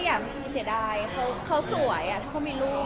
ก็อยากไม่มีเจ็ดดายเขาสวยถ้าเขามีลูก